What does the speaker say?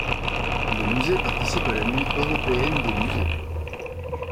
Le musée participe à la Nuit européenne des musées.